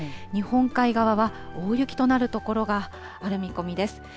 日本海側は大雪となる所がある見込みです。